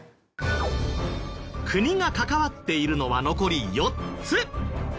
国が関わっているのは残り４つ。